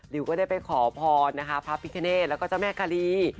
ก็ได้ไปขอพรนะคะพระพิคเนธแล้วก็เจ้าแม่คารี